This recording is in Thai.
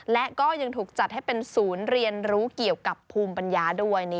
และก็ยังถูกจัดให้เป็นศูนย์เรียนรู้เกี่ยวกับภูมิปัญญาด้วย